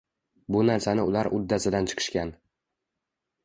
Bu narsani ular uddasidan chiqishgan.